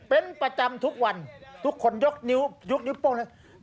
เป็นประจำทุกวันทุกคนยกนิ้วยกนิ้วโป้งเลย